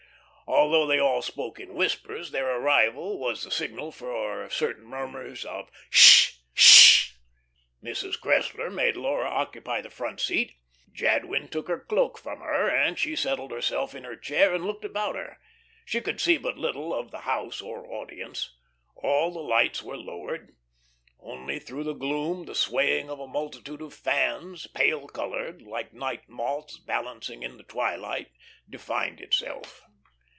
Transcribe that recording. Although they all spoke in whispers, their arrival was the signal for certain murmurs of "Sh! Sh!" Mrs. Cressler made Laura occupy the front seat. Jadwin took her cloak from her, and she settled herself in her chair and looked about her. She could see but little of the house or audience. All the lights were lowered; only through the gloom the swaying of a multitude of fans, pale coloured, like night moths balancing in the twilight, defined itself.